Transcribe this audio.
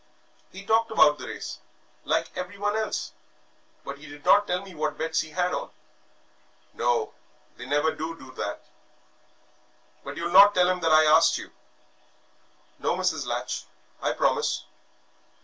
"He talked about the race, like everyone else, but he did not tell me what bets he had on." "No, they never do do that.... But you'll not tell him that I asked you?" "No, Mrs. Latch, I promise."